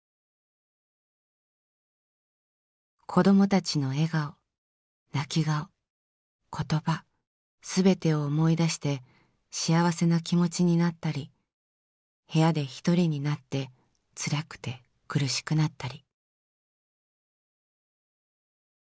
「子供達の笑顔、泣き顔、言葉全てを思い出して、幸せな気持ちになったり、部屋で１人になってツラクて苦しくなったり」。